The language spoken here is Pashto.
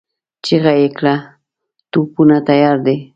چيغه يې کړه! توپونه تيار دي؟